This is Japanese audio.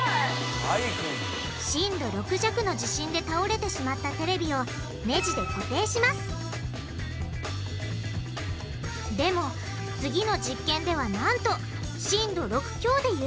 震度６弱の地震で倒れてしまったテレビをネジで固定しますでも次の実験ではなんと震度６強でゆらしてみます